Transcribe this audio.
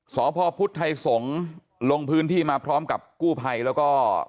สพพุทธไทยสงศ์ลงพื้นที่มาพร้อมกับกู้ภัยแล้วก็